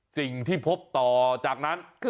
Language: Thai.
สิ่งที่พบต่อจากนั้น